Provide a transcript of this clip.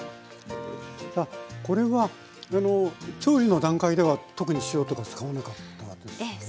あっこれは調理の段階では特に塩とか使わなかったですよね？